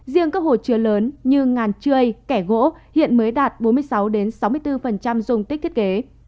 riêng các hồ chứa lớn như ngàn trươi kẻ gỗ hiện mới đạt bốn mươi sáu sáu mươi bốn dung tích thiết kế